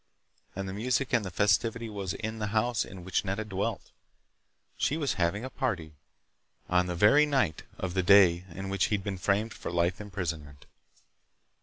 And the music and the festivity was in the house in which Nedda dwelt. She was having a party, on the very night of the day in which he'd been framed for life imprisonment.